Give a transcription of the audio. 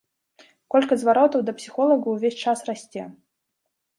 Колькасць зваротаў да псіхолага ўвесь час расце.